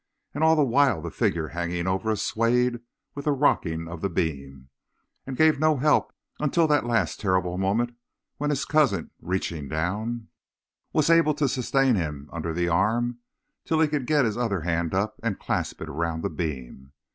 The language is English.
And all the while the figure hanging over us swayed with the rocking of the beam, and gave no help until that last terrible moment when his cousin, reaching down, was able to sustain him under the arm till he could get his other hand up and clasp it around the beam.